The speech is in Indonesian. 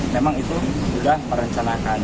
memang itu sudah merencanakan